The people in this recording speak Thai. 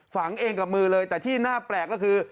ฝังเองกับมือเลยแต่ที่น่าแปลกก็คือ